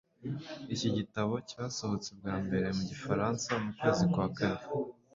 iki gitabo cyasohotse bwa mbere mu Gifaransa mu kwezi kwa kane,